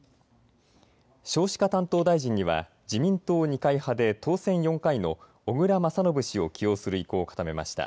少子化担当大臣には自民党二階派で当選４回の小倉將信氏を起用する意向を固めました。